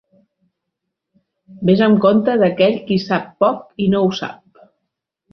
Vés amb compte d'aquell qui sap poc i no ho sap.